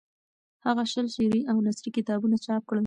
هغه شل شعري او نثري کتابونه چاپ کړي.